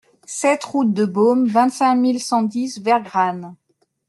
sept route de Baume, vingt-cinq mille cent dix Vergranne